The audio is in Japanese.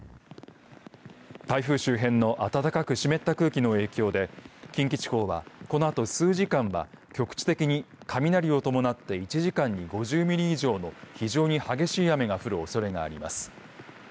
台風周辺の暖かく湿った空気の影響で近畿地方はこのあと数時間は局地的に雷を伴って１時間に５０ミリ以上の非常に激しい雨が降るおそれがあります。